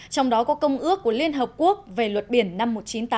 trong đó có công ước của liên hợp quốc về luật biển năm một nghìn chín trăm tám mươi hai